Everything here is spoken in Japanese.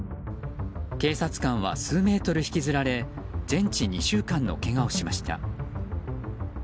警察官は数メートル引きずられ全治２週間のけがをしました。